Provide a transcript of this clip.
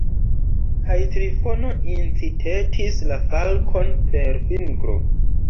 Kaj Trifono incitetis la falkon per fingro.